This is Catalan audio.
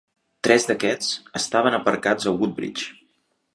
Tres d'aquests estaven aparcats a Woodbridge.